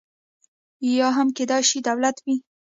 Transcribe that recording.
یا هم کېدای شي دولت وي.